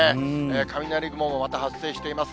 雷雲もまた発生しています。